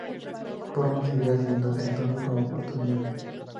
Portmán seguiría sirviendo entonces como puerto minero.